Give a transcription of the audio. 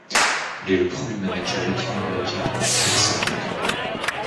Il est le premier manager latino-américain à remporter une Série mondiale.